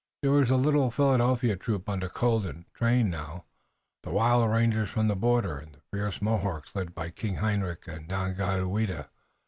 There was the little Philadelphia troop under Colden, trained now, the wild rangers from the border, and the fierce Mohawks led by King Hendrik and Daganoweda.